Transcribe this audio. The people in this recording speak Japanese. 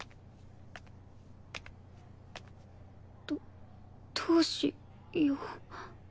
どどうしよう。